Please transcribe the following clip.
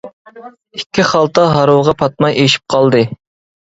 ئىككى خالتا ھارۋىغا پاتماي ئېشىپ قالدى.